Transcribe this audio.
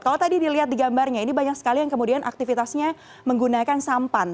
kalau tadi dilihat di gambarnya ini banyak sekali yang kemudian aktivitasnya menggunakan sampan